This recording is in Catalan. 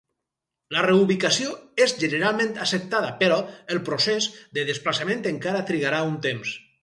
La reubicació és generalment acceptada, però el procés de desplaçament encara trigarà un temps.